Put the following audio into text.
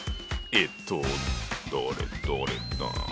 えっとどれどれ。